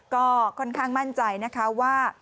ก็ค่อนข้างมั่นใจนะคะว่า